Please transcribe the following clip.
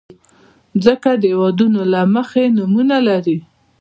مځکه د هېوادونو له مخې نومونه لري.